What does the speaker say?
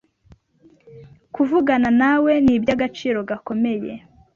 kuvugana nawe nibyagaciro gakomeye